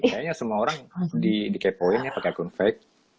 kayaknya semua orang di kepoin ya pake akun fake